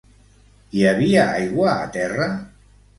Hi havia aigua a terra?